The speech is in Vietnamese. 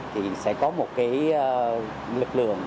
thì sẽ có một lực lượng